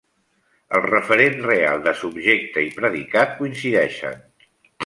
El referent real de subjecte i predicat coincideixen.